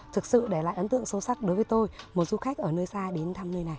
thực sự để lại ấn tượng sâu sắc đối với tôi một du khách ở nơi xa đến thăm nơi này